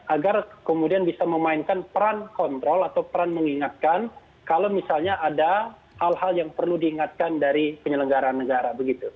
agar kemudian bisa memainkan peran kontrol atau peran mengingatkan kalau misalnya ada hal hal yang perlu diingatkan dari penyelenggara negara